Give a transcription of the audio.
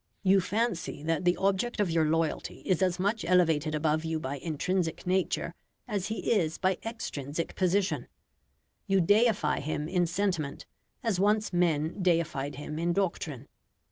You fancy that the object of your loyalty is as much elevated above you by intrinsic nature as he is by extrinsic position; you deify him in sentiment, as once men deified him in doctrine.